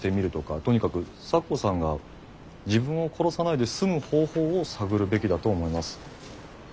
とにかく咲子さんが自分を殺さないで済む方法を探るべきだと思います。